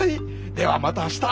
ではまた明日！